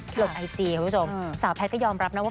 ลงไอจีคุณผู้ชมสาวแพทย์ก็ยอมรับนะว่า